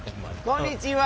こんにちは。